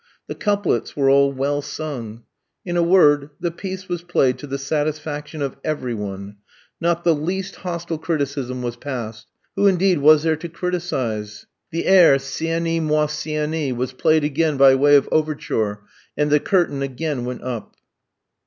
The couplets were all well sung. In a word, the piece was played to the satisfaction of every one; not the least hostile criticism was passed who, indeed, was there to criticise? The air, "Sieni moi Sieni," was played again by way of overture, and the curtain again went up.